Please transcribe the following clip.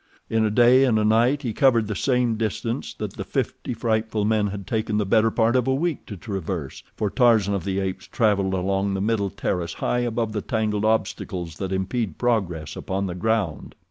In a day and a night he covered the same distance that the fifty frightful men had taken the better part of a week to traverse, for Tarzan of the Apes traveled along the middle terrace high above the tangled obstacles that impede progress upon the ground.